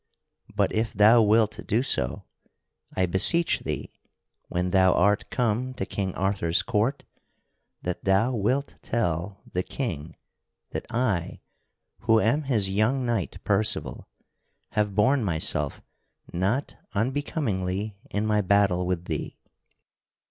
But, if thou wilt do so, I beseech thee when thou art come to King Arthur's court that thou wilt tell the King that I, who am his young knight Percival, have borne myself not unbecomingly in my battle with thee.